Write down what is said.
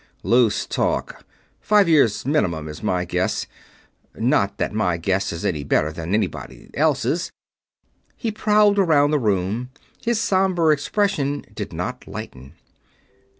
Loose talk. Five years minimum is my guess not that my guess is any better than anybody else's." He prowled around the room. His somber expression did not lighten.